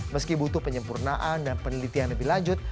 meski butuh penyempurnaan dan penelitian lebih lanjut